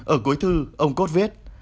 ở cuối thư ông kot viết